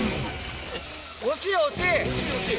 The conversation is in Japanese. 惜しい惜しい。